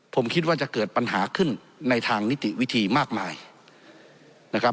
ผมคิดว่าจะเกิดปัญหาขึ้นในทางนิติวิธีมากมายนะครับ